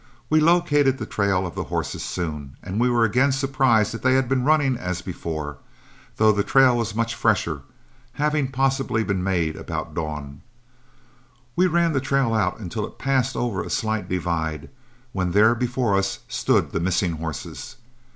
We located the trail of the horses soon, and were again surprised to find that they had been running as before, though the trail was much fresher, having possibly been made about dawn. We ran the trail out until it passed over a slight divide, when there before us stood the missing horses.